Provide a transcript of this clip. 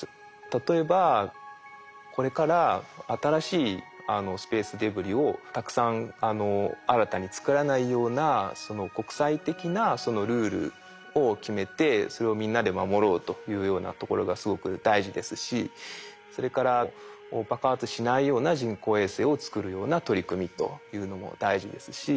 例えばこれから新しいスペースデブリをたくさん新たに作らないような国際的なルールを決めてそれをみんなで守ろうというようなところがすごく大事ですしそれから爆発しないような人工衛星を作るような取り組みというのも大事ですし。